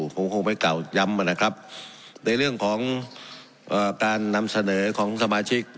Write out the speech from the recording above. ผมคงไม่กล่าวย้ำนะครับในเรื่องของการนำเสนอของสมาชิก